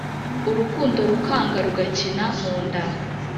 Urukundo rukanga rugakina mu nda